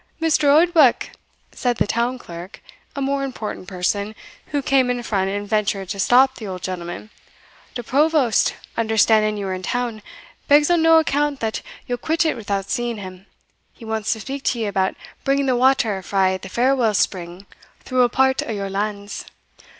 "Mr. Oldbuck," said the town clerk (a more important person, who came in front and ventured to stop the old gentleman), "the provost, understanding you were in town, begs on no account that you'll quit it without seeing him; he wants to speak to ye about bringing the water frae the Fairwell spring through a part o' your lands."